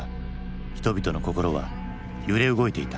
人々の心は揺れ動いていた。